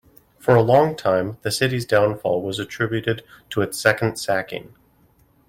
For a long time, the city's downfall was attributed to its second sacking.